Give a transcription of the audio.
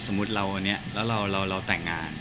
สมมุติเราเต่งงาน